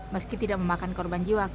meski tidak memakan korban jiwa